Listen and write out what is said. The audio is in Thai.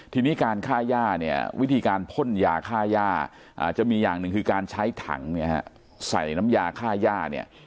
ทีนี้การฆ่าย่าเนี่ยวิธีการพ่นยาฆ่าย่าจะมีอย่างหนึ่งคือการใช้ถังเนี่ยฮะใส่ในน้ำยาฆ่าย่าเนี่ย